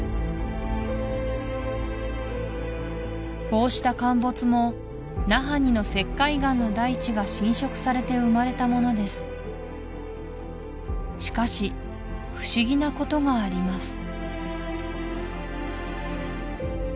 こうした陥没もナハニの石灰岩の大地が浸食されて生まれたものですしかし不思議なことがあります